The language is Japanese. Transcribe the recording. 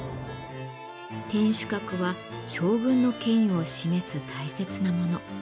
天守閣は将軍の権威を示す大切なもの。